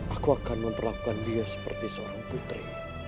aku akan memperlakukan dia seperti seorang putri